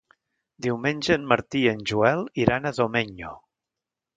Diumenge en Martí i en Joel iran a Domenyo.